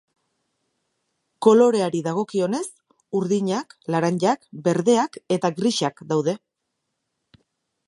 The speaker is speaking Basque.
Koloreari dagokionez, urdinak, laranjak, berdeak eta grisak daude.